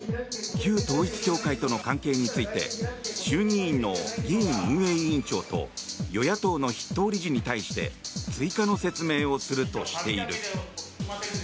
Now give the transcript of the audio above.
細田議長は今日旧統一教会との関係について衆議院の議院運営委員長と与野党の筆頭理事に対して追加の説明をするとしている。